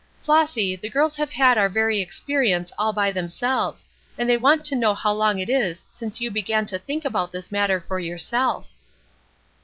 "Flossy, the girls have had our very experience all by themselves, and they want to know how long it is since you began to think about this matter for yourself."